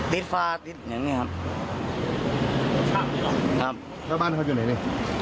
ติ๊ดฟาติ๊ดอย่างเงี้ยครับครับแล้วบ้านเขาอยู่ไหนนี่